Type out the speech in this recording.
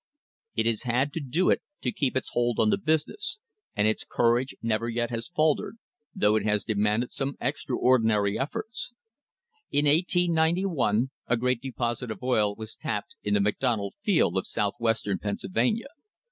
It has had to do it to keep its hold on the business, and its courage never yet has faltered, though it has demanded some extraordinary efforts. In 1891 a great deposit of oil was tapped in the Mc Donald field of Southwestern Pennsylvania.